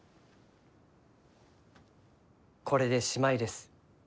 これでしまいです。